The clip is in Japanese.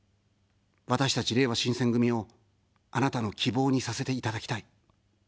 私たち、れいわ新選組を、あなたの希望にさせていただきたい。